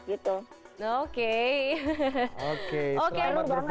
kumpul bareng seperti di acara bisma ini nanti terus kita kumpul bareng gitu